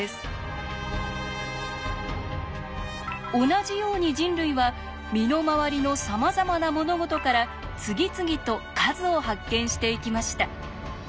同じように人類は身の回りのさまざまな物事から次々と数を発見していきました。